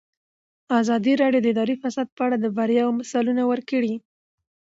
ازادي راډیو د اداري فساد په اړه د بریاوو مثالونه ورکړي.